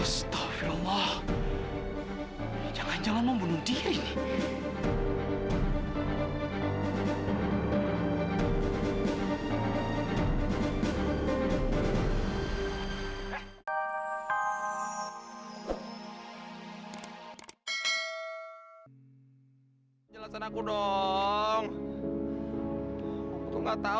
sampai jumpa di video selanjutnya